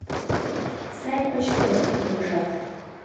Сай кочде, кугужат;